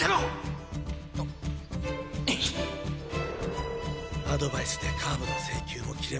心の声アドバイスでカーブの制球もキレも戻った！